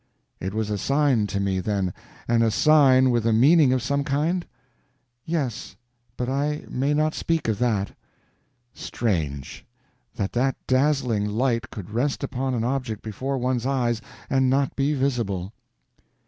"It was a sign to me, then—and a sign with a meaning of some kind?" "Yes, but I may not speak of that." "Strange—that that dazzling light could rest upon an object before one's eyes and not be visible."